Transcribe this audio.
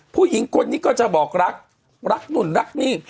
ผู้หญิงคนนี้ก็จะบอกรักรักนู่นรักนี่